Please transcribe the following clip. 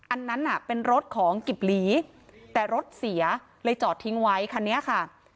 อันนั้นน่ะเป็นรถของกิบหลีแต่รถเสียเลยจอดทิ้งไว้คันนี้ค่ะ